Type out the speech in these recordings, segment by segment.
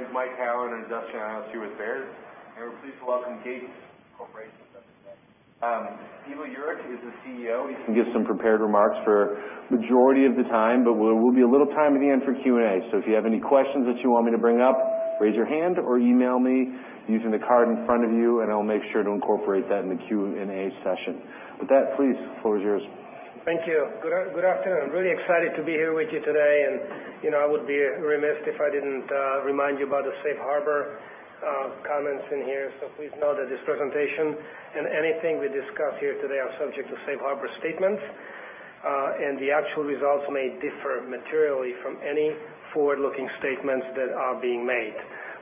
My name's Mike Halloran and I'm just an Associate with Baird. We're pleased to welcome Gates Corporation to the event. Ivo Jurek is the CEO. He can give some prepared remarks for the majority of the time, but there will be a little time at the end for Q&A. If you have any questions that you want me to bring up, raise your hand or email me using the card in front of you, and I'll make sure to incorporate that in the Q&A session. With that, please, floor is yours. Thank you. Good afternoon. I'm really excited to be here with you today, and, you know, I would be remiss if I didn't remind you about the Safe Harbor comments in here. Please know that this presentation and anything we discuss here today are subject to Safe Harbor statements, and the actual results may differ materially from any forward-looking statements that are being made.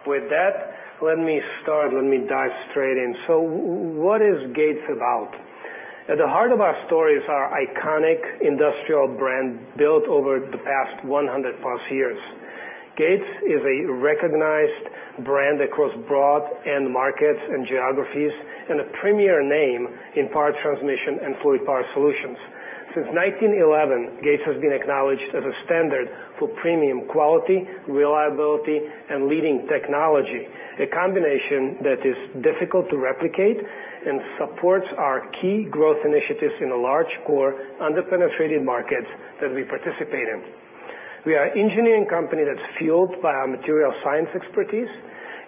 With that, let me start. Let me dive straight in. What is Gates about? At the heart of our story is our iconic industrial brand built over the past 100+ years. Gates is a recognized brand across broad end markets and geographies and a premier name in power transmission and fluid power solutions. Since 1911, Gates has been acknowledged as a standard for premium quality, reliability, and leading technology, a combination that is difficult to replicate and supports our key growth initiatives in a large core under-penetrated market that we participate in. We are an engineering company that's fueled by our material science expertise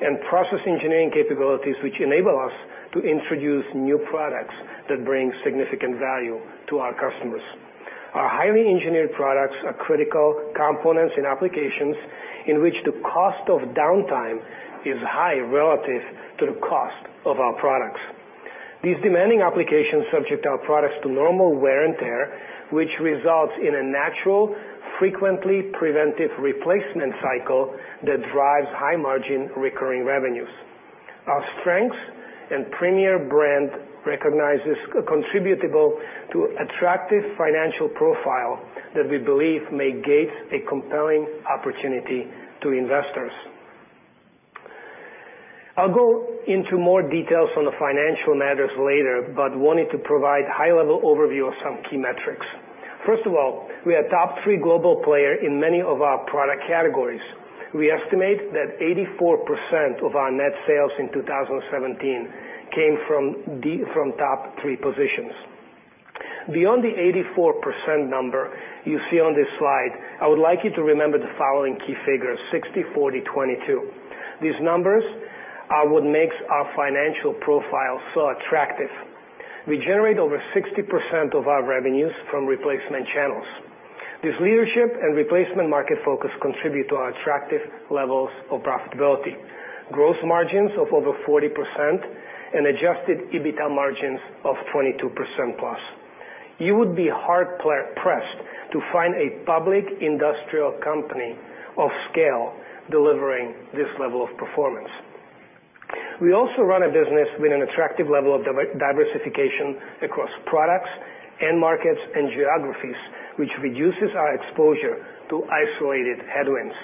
and process engineering capabilities, which enable us to introduce new products that bring significant value to our customers. Our highly engineered products are critical components in applications in which the cost of downtime is high relative to the cost of our products. These demanding applications subject our products to normal wear and tear, which results in a natural, frequently preventive replacement cycle that drives high-margin recurring revenues. Our strengths and premier brand recognizes contributable to attractive financial profile that we believe may gate a compelling opportunity to investors. I'll go into more details on the financial matters later, but wanted to provide a high-level overview of some key metrics. First of all, we are a top three global player in many of our product categories. We estimate that 84% of our net sales in 2017 came from the top three positions. Beyond the 84% number you see on this slide, I would like you to remember the following key figure: 60/40/22. These numbers would make our financial profile so attractive. We generate over 60% of our revenues from replacement channels. This leadership and replacement market focus contribute to our attractive levels of profitability, gross margins of over 40%, and adjusted EBITDA margins of 22%+. You would be hard pressed to find a public industrial company of scale delivering this level of performance. We also run a business with an attractive level of diversification across products, end markets, and geographies, which reduces our exposure to isolated headwinds.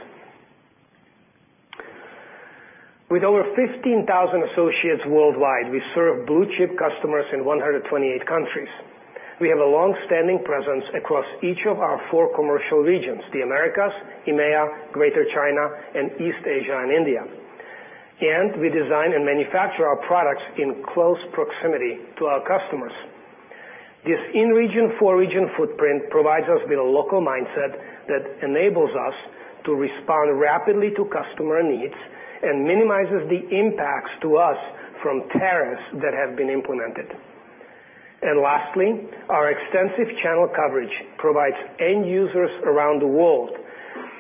With over 15,000 associates worldwide, we serve blue-chip customers in 128 countries. We have a long-standing presence across each of our four commercial regions: the Americas, EMEA, Greater China, and East Asia and India. We design and manufacture our products in close proximity to our customers. This in-region, four-region footprint provides us with a local mindset that enables us to respond rapidly to customer needs and minimizes the impacts to us from tariffs that have been implemented. Lastly, our extensive channel coverage provides end users around the world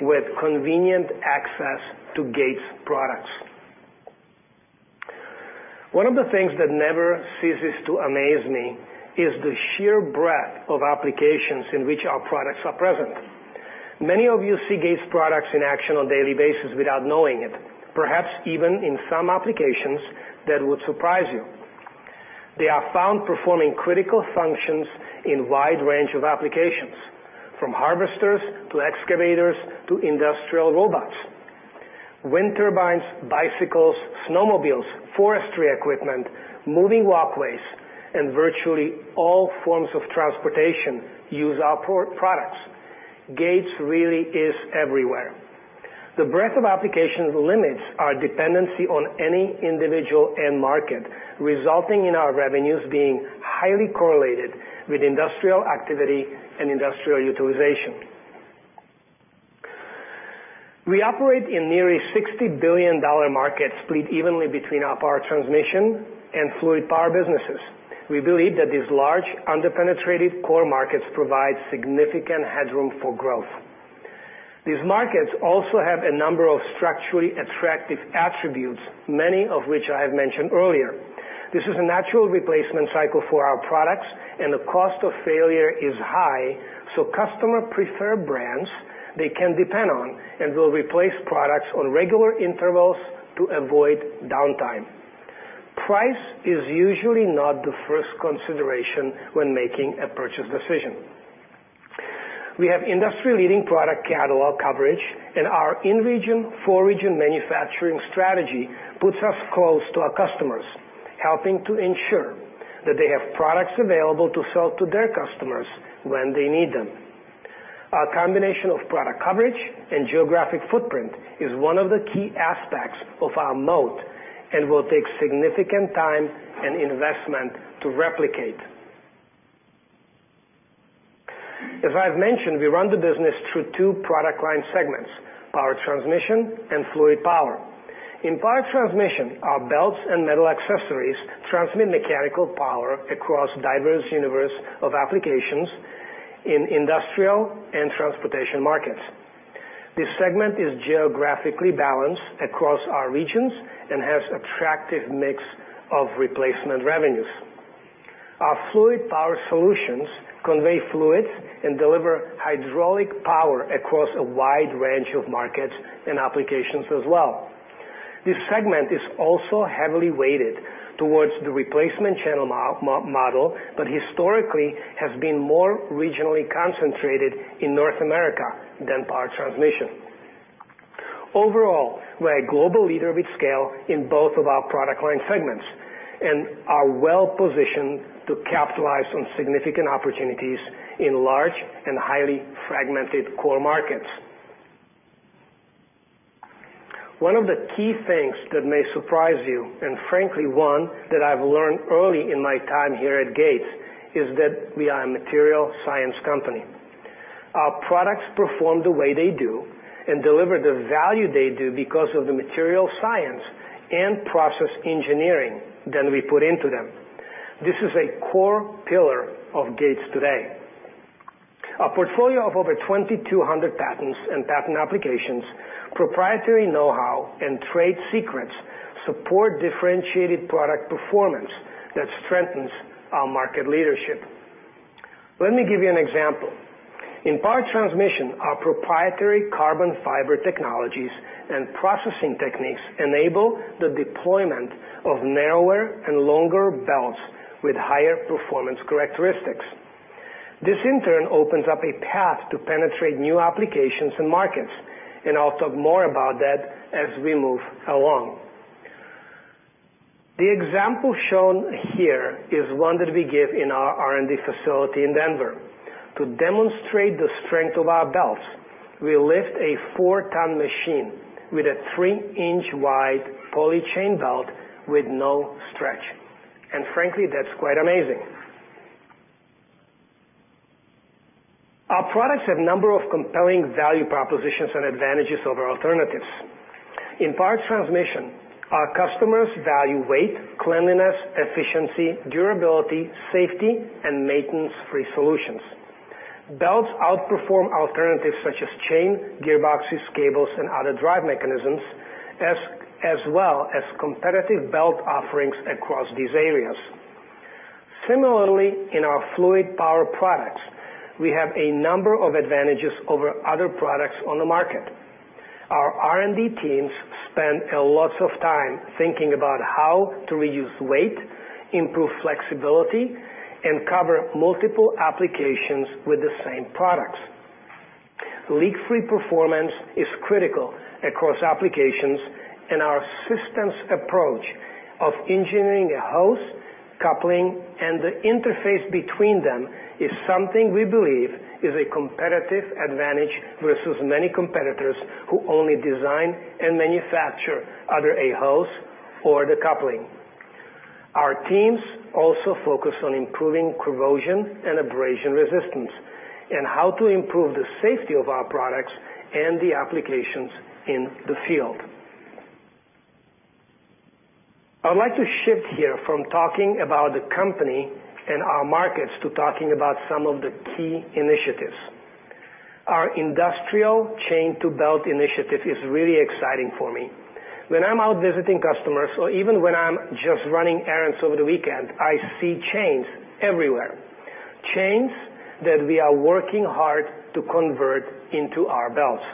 with convenient access to Gates products. One of the things that never ceases to amaze me is the sheer breadth of applications in which our products are present. Many of you see Gates products in action on a daily basis without knowing it, perhaps even in some applications that would surprise you. They are found performing critical functions in a wide range of applications, from harvesters to excavators to industrial robots. Wind turbines, bicycles, snowmobiles, forestry equipment, moving walkways, and virtually all forms of transportation use our products. Gates really is everywhere. The breadth of applications limits our dependency on any individual end market, resulting in our revenues being highly correlated with industrial activity and industrial utilization. We operate in nearly $60 billion markets split evenly between our power transmission and fluid power businesses. We believe that these large under-penetrated core markets provide significant headroom for growth. These markets also have a number of structurally attractive attributes, many of which I have mentioned earlier. This is a natural replacement cycle for our products, and the cost of failure is high, so customers prefer brands they can depend on and will replace products on regular intervals to avoid downtime. Price is usually not the first consideration when making a purchase decision. We have industry-leading product catalog coverage, and our in-region, four-region manufacturing strategy puts us close to our customers, helping to ensure that they have products available to sell to their customers when they need them. Our combination of product coverage and geographic footprint is one of the key aspects of our moat and will take significant time and investment to replicate. As I've mentioned, we run the business through two product line segments: power transmission and fluid power. In power transmission, our belts and metal accessories transmit mechanical power across diverse universes of applications in industrial and transportation markets. This segment is geographically balanced across our regions and has an attractive mix of replacement revenues. Our fluid power solutions convey fluids and deliver hydraulic power across a wide range of markets and applications as well. This segment is also heavily weighted towards the replacement channel model, but historically has been more regionally concentrated in North America than power transmission. Overall, we're a global leader with scale in both of our product line segments and are well-positioned to capitalize on significant opportunities in large and highly fragmented core markets. One of the key things that may surprise you, and frankly, one that I've learned early in my time here at Gates, is that we are a material science company. Our products perform the way they do and deliver the value they do because of the material science and process engineering that we put into them. This is a core pillar of Gates today. Our portfolio of over 2,200 patents and patent applications, proprietary know-how, and trade secrets support differentiated product performance that strengthens our market leadership. Let me give you an example. In power transmission, our proprietary carbon fiber technologies and processing techniques enable the deployment of narrower and longer belts with higher performance characteristics. This, in turn, opens up a path to penetrate new applications and markets, and I'll talk more about that as we move along. The example shown here is one that we give in our R&D facility in Denver. To demonstrate the strength of our belts, we lift a four-ton machine with a three-inch wide Poly Chain belt with no stretch. Frankly, that's quite amazing. Our products have a number of compelling value propositions and advantages over alternatives. In power transmission, our customers value weight, cleanliness, efficiency, durability, safety, and maintenance-free solutions. Belts outperform alternatives such as chain, gearboxes, cables, and other drive mechanisms, as well as competitive belt offerings across these areas. Similarly, in our fluid power products, we have a number of advantages over other products on the market. Our R&D teams spend lots of time thinking about how to reduce weight, improve flexibility, and cover multiple applications with the same products. Leak-free performance is critical across applications, and our systems approach of engineering a hose, coupling, and the interface between them is something we believe is a competitive advantage versus many competitors who only design and manufacture either a hose or the coupling. Our teams also focus on improving corrosion and abrasion resistance and how to improve the safety of our products and the applications in the field. I'd like to shift here from talking about the company and our markets to talking about some of the key initiatives. Our industrial chain-to-belt initiative is really exciting for me. When I'm out visiting customers or even when I'm just running errands over the weekend, I see chains everywhere, chains that we are working hard to convert into our belts.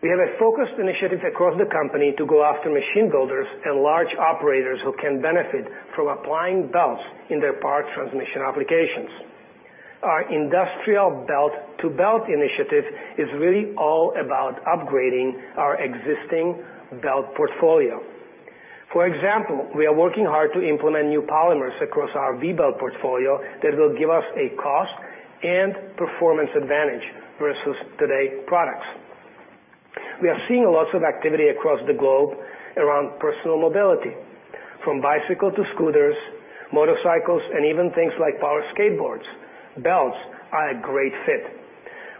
We have a focused initiative across the company to go after machine builders and large operators who can benefit from applying belts in their power transmission applications. Our industrial belt-to-belt initiative is really all about upgrading our existing belt portfolio. For example, we are working hard to implement new polymers across our V-belt portfolio that will give us a cost and performance advantage versus today's products. We are seeing lots of activity across the globe around personal mobility. From bicycles to scooters, motorcycles, and even things like power skateboards, belts are a great fit.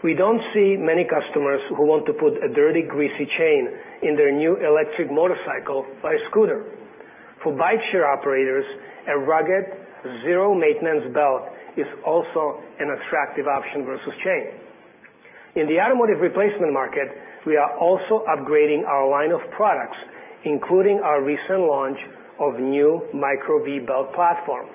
We do not see many customers who want to put a dirty, greasy chain in their new electric motorcycle or scooter. For bike share operators, a rugged, zero-maintenance belt is also an attractive option versus chain. In the automotive replacement market, we are also upgrading our line of products, including our recent launch of a new Micro V-belt platform.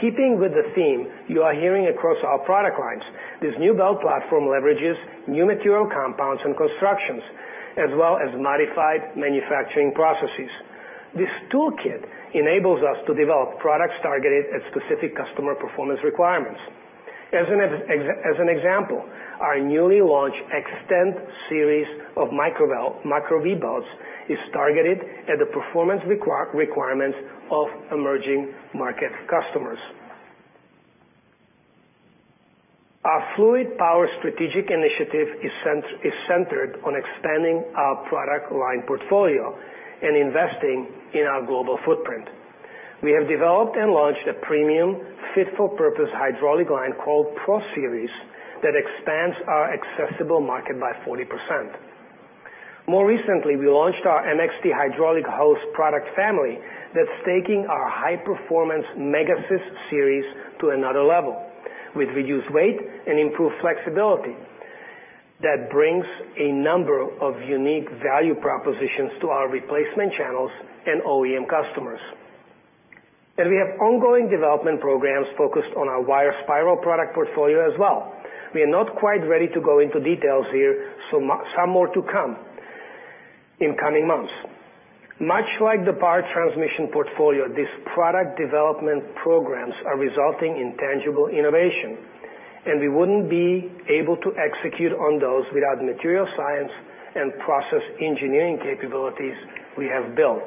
Keeping with the theme you are hearing across our product lines, this new belt platform leverages new material compounds and constructions as well as modified manufacturing processes. This toolkit enables us to develop products targeted at specific customer performance requirements. As an example, our newly launched Extend series of Micro V-belts is targeted at the performance requirements of emerging market customers. Our fluid power strategic initiative is centered on expanding our product line portfolio and investing in our global footprint. We have developed and launched a premium, fit-for-purpose hydraulic line called PRO Series that expands our accessible market by 40%. More recently, we launched our MXT hydraulic hose product family that is taking our high-performance MegaSys series to another level with reduced weight and improved flexibility that brings a number of unique value propositions to our replacement channels and OEM customers. We have ongoing development programs focused on our wire spiral product portfolio as well. We are not quite ready to go into details here, so some more to come in coming months. Much like the power transmission portfolio, these product development programs are resulting in tangible innovation, and we would not be able to execute on those without the material science and process engineering capabilities we have built.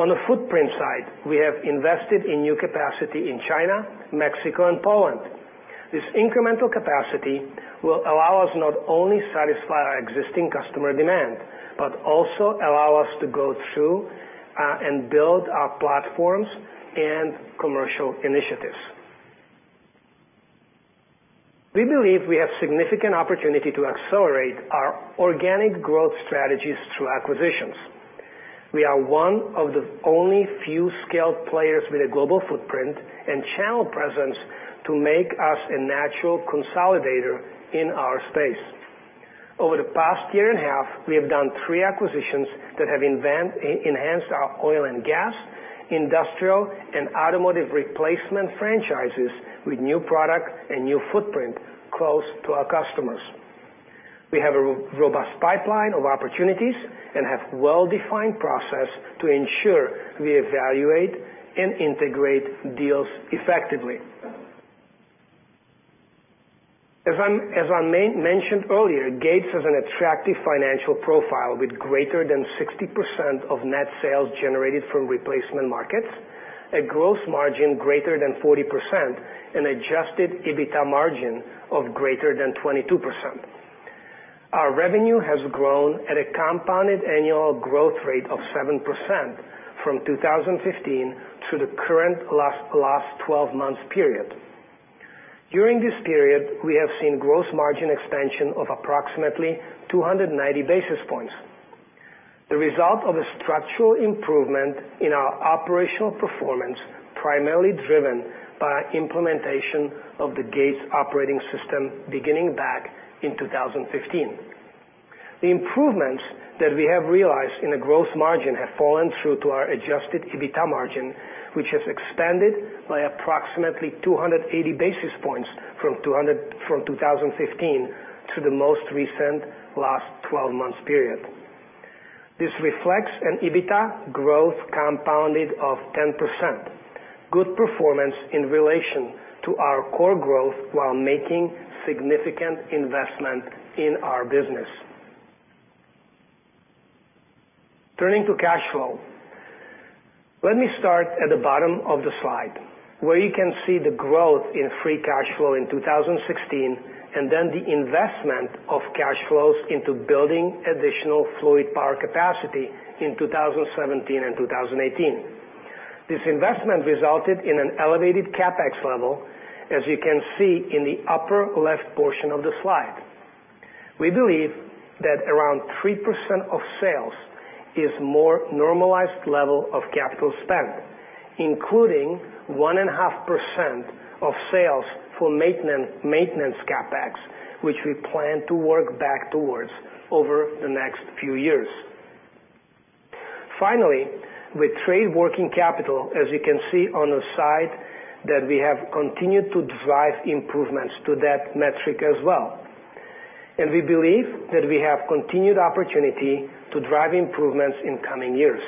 On the footprint side, we have invested in new capacity in China, Mexico, and Poland. This incremental capacity will allow us not only to satisfy our existing customer demand but also allow us to go through and build our platforms and commercial initiatives. We believe we have a significant opportunity to accelerate our organic growth strategies through acquisitions. We are one of the only few scaled players with a global footprint and channel presence to make us a natural consolidator in our space. Over the past year and a half, we have done three acquisitions that have enhanced our oil and gas, industrial, and automotive replacement franchises with new product and new footprint close to our customers. We have a robust pipeline of opportunities and have a well-defined process to ensure we evaluate and integrate deals effectively. As I mentioned earlier, Gates has an attractive financial profile with greater than 60% of net sales generated from replacement markets, a gross margin greater than 40%, and adjusted EBITDA margin of greater than 22%. Our revenue has grown at a compounded annual growth rate of 7% from 2015 through the current last 12-month period. During this period, we have seen gross margin expansion of approximately 290 basis points, the result of a structural improvement in our operational performance primarily driven by implementation of the Gates operating system beginning back in 2015. The improvements that we have realized in the gross margin have fallen through to our adjusted EBITDA margin, which has expanded by approximately 280 basis points from 2015 through the most recent last 12-month period. This reflects an EBITDA growth compounded of 10%, good performance in relation to our core growth while making significant investment in our business. Turning to cash flow, let me start at the bottom of the slide where you can see the growth in free cash flow in 2016 and then the investment of cash flows into building additional fluid power capacity in 2017 and 2018. This investment resulted in an elevated CapEx level, as you can see in the upper left portion of the slide. We believe that around 3% of sales is a more normalized level of capital spend, including 1.5% of sales for maintenance CapEx, which we plan to work back towards over the next few years. Finally, with trade working capital, as you can see on the side, that we have continued to drive improvements to that metric as well. We believe that we have continued opportunity to drive improvements in coming years.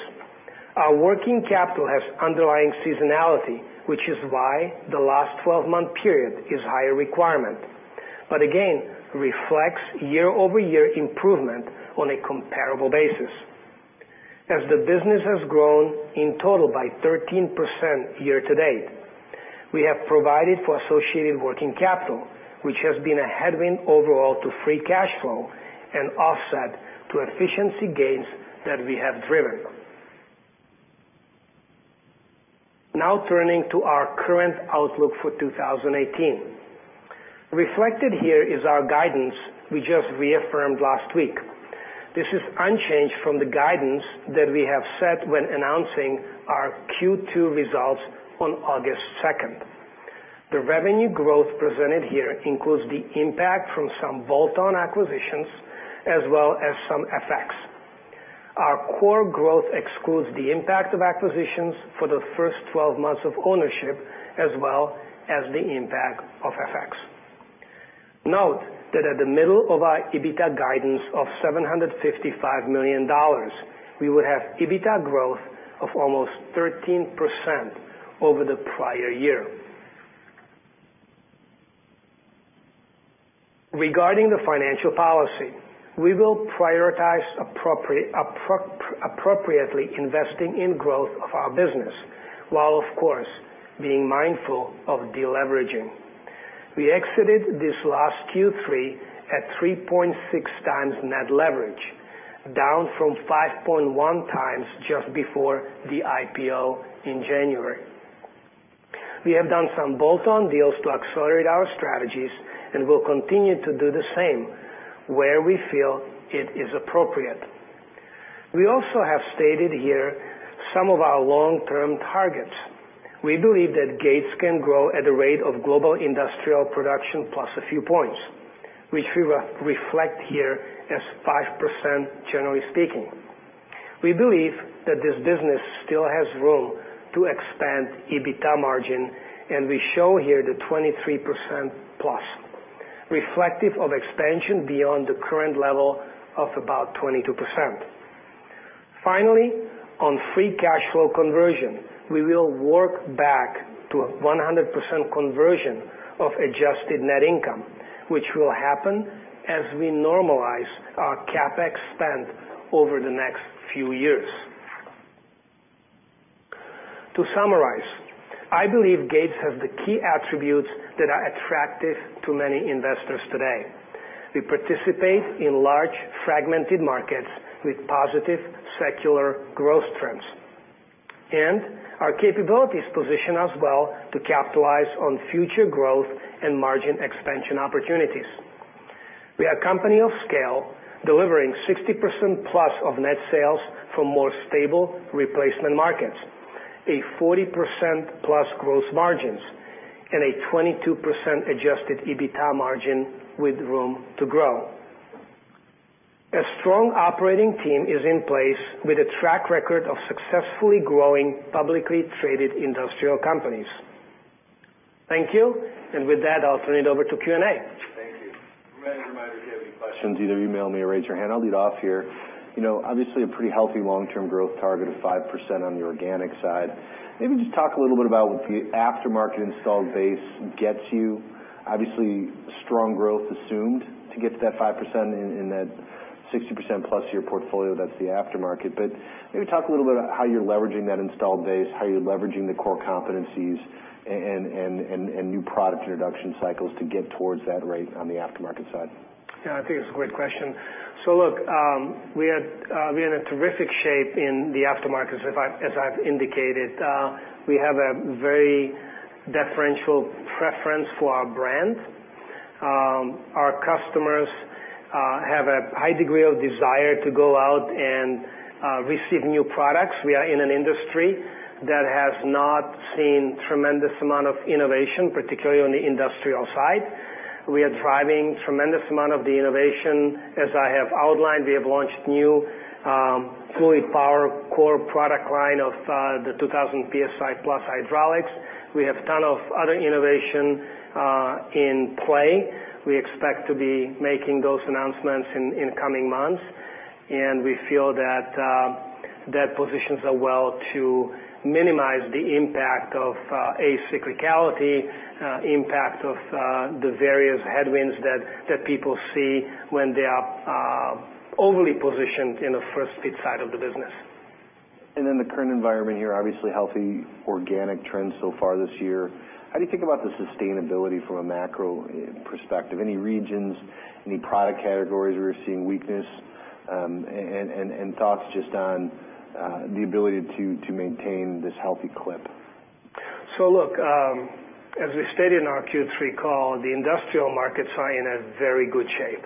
Our working capital has underlying seasonality, which is why the last 12-month period is a higher requirement, but again, reflects year-over-year improvement on a comparable basis. As the business has grown in total by 13% year to date, we have provided for associated working capital, which has been a headwind overall to free cash flow and offset to efficiency gains that we have driven. Now turning to our current outlook for 2018, reflected here is our guidance we just reaffirmed last week. This is unchanged from the guidance that we have set when announcing our Q2 results on August 2nd. The revenue growth presented here includes the impact from some bolt-on acquisitions as well as some FX. Our core growth excludes the impact of acquisitions for the first 12 months of ownership as well as the impact of FX. Note that at the middle of our EBITDA guidance of $755 million, we would have EBITDA growth of almost 13% over the prior year. Regarding the financial policy, we will prioritize appropriately investing in growth of our business while, of course, being mindful of deleveraging. We exited this last Q3 at 3.6x net leverage, down from 5.1x just before the IPO in January. We have done some bolt-on deals to accelerate our strategies and will continue to do the same where we feel it is appropriate. We also have stated here some of our long-term targets. We believe that Gates can grow at a rate of global industrial production plus a few points, which we reflect here as 5%, generally speaking. We believe that this business still has room to expand EBITDA margin, and we show here the 23%+, reflective of expansion beyond the current level of about 22%. Finally, on free cash flow conversion, we will work back to a 100% conversion of adjusted net income, which will happen as we normalize our CapEx spend over the next few years. To summarize, I believe Gates has the key attributes that are attractive to many investors today. We participate in large fragmented markets with positive secular growth trends, and our capabilities position us well to capitalize on future growth and margin expansion opportunities. We are a company of scale delivering 60%+ of net sales from more stable replacement markets, a 40%+ gross margins, and a 22% adjusted EBITDA margin with room to grow. A strong operating team is in place with a track record of successfully growing publicly traded industrial companies. Thank you. With that, I'll turn it over to Q&A. Thank you. A reminder if you have any questions, either email me or raise your hand. I'll lead off here. Obviously, a pretty healthy long-term growth target of 5% on the organic side. Maybe just talk a little bit about what the aftermarket installed base gets you. Obviously, strong growth assumed to get to that 5% in that 60%+ of your portfolio. That's the aftermarket. Maybe talk a little bit about how you're leveraging that installed base, how you're leveraging the core competencies and new product introduction cycles to get towards that rate on the aftermarket side. Yeah, I think it's a great question. Look, we are in terrific shape in the aftermarket, as I've indicated. We have a very differential preference for our brand. Our customers have a high degree of desire to go out and receive new products. We are in an industry that has not seen a tremendous amount of innovation, particularly on the industrial side. We are driving a tremendous amount of the innovation, as I have outlined. We have launched new fluid power core product line of the 2,000 PSI+ hydraulics. We have a ton of other innovation in play. We expect to be making those announcements in coming months. We feel that that positions us well to minimize the impact of a cyclicality, impact of the various headwinds that people see when they are overly positioned in the first fit side of the business. The current environment here, obviously healthy organic trends so far this year. How do you think about the sustainability from a macro perspective? Any regions, any product categories where you're seeing weakness and thoughts just on the ability to maintain this healthy clip? As we stated in our Q3 call, the industrial markets are in a very good shape.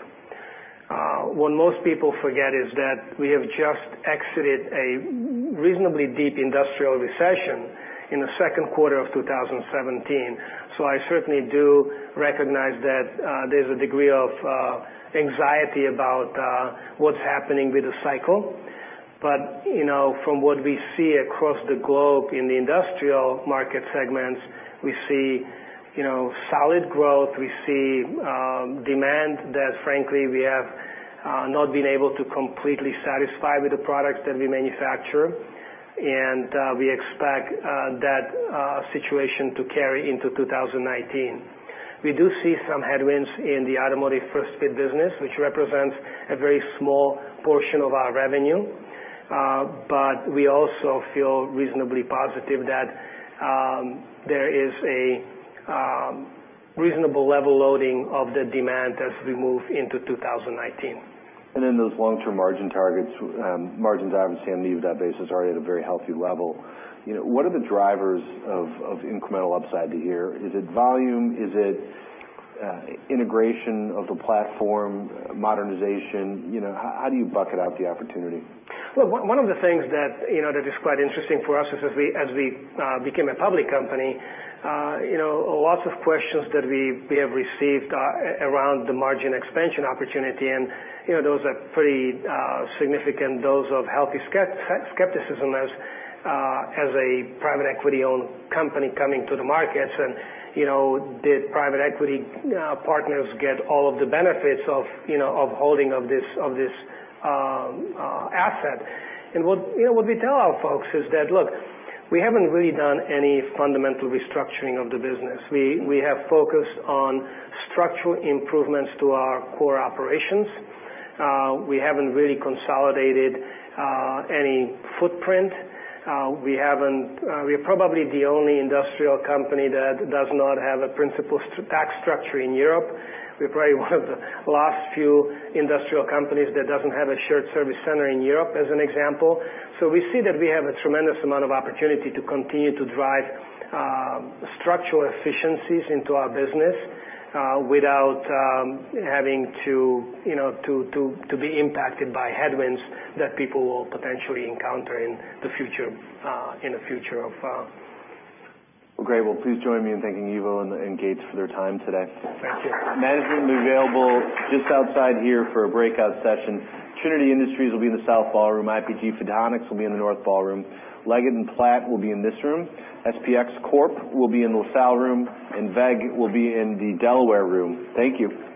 What most people forget is that we have just exited a reasonably deep industrial recession in the second quarter of 2017. I certainly do recognize that there's a degree of anxiety about what's happening with the cycle. From what we see across the globe in the industrial market segments, we see solid growth. We see demand that, frankly, we have not been able to completely satisfy with the products that we manufacture. We expect that situation to carry into 2019. We do see some headwinds in the automotive first fit business, which represents a very small portion of our revenue. We also feel reasonably positive that there is a reasonable level loading of the demand as we move into 2019. Those long-term margin targets, margins obviously on the EBITDA basis are at a very healthy level. What are the drivers of incremental upside to here? Is it volume? Is it integration of the platform, modernization? How do you bucket out the opportunity? Look, one of the things that is quite interesting for us is as we became a public company, lots of questions that we have received around the margin expansion opportunity. Those are pretty significant doses of healthy skepticism as a private equity-owned company coming to the markets. Did private equity partners get all of the benefits of holding of this asset? What we tell our folks is that, look, we have not really done any fundamental restructuring of the business. We have focused on structural improvements to our core operations. We have not really consolidated any footprint. We are probably the only industrial company that does not have a principal tax structure in Europe. We are probably one of the last few industrial companies that does not have a shared service center in Europe, as an example. We see that we have a tremendous amount of opportunity to continue to drive structural efficiencies into our business without having to be impacted by headwinds that people will potentially encounter in the future. Great. Please join me in thanking Ivo and Gates for their time today. Thank you. Madison will be available just outside here for a breakout session. Trinity Industries will be in the South ballroom. IPG Photonics will be in the North ballroom. Leggett and Platt will be in this room. SPX Corp will be in the south room. WEG will be in the Delaware room. Thank you.